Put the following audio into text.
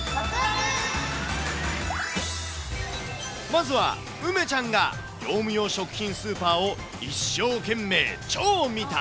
まずは梅ちゃんが、業務用食品スーパーを一生懸命超見た。